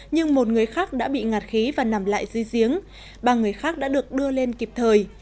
nhưng một người khác đã bị ngạt khí và nằm lại dưới giếng ba người khác đã được đưa lên kịp thời